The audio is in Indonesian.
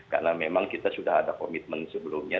karena memang kita sudah ada komitmen sebelumnya